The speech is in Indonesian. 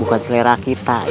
bukan selera kita itu mah